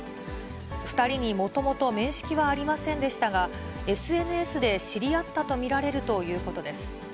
２人にもともと面識はありませんでしたが、ＳＮＳで知り合ったと見られるということです。